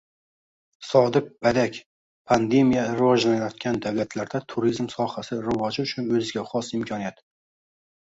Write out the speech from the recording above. Sodiq Badak: Pandemiya – rivojlanayotgan davlatlarda turizm sohasi rivoji uchun o‘ziga xos imkoniyat